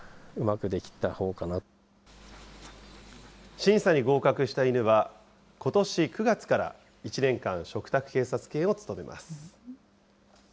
審査に合格した犬は、ことし９月から１年間、嘱託警察犬を務めます。